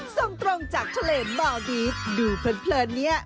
ส่งตรงจากทะเลหมอดีฟดูเพลินเนี่ย